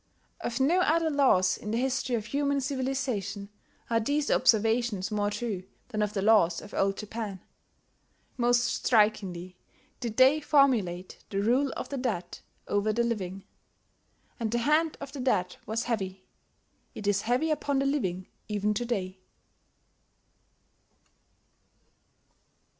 ... Of no other laws in the history of human civilization are these observations more true than of the laws of Old Japan. Most strikingly did they "formulate the rule of the dead over the living." And the hand of the dead was heavy: it is heavy upon the living even to day.